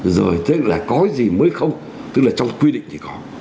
rồi tức là có gì mới không tức là trong quy định thì có